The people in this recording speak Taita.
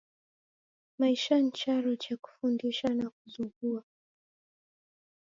Maisha ni charo che kufundisha na kuzoghua.